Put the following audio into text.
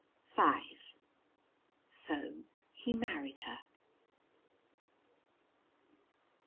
V. So he married her.